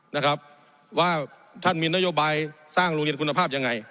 นะครับว่าท่านมีนโยบายสร้างโรงเรียนคุณภาพยังไง